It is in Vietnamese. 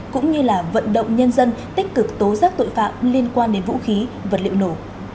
cũng như là vận động nhân dân tích cực tố giác tội phạm liên quan đến vũ khí vật liệu nổ